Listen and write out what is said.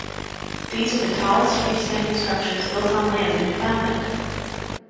These are the tallest freestanding structures built on land in Newfoundland.